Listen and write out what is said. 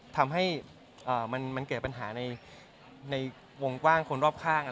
ทำให้มันเกิดปัญหาในวงกว้างคนรอบข้าง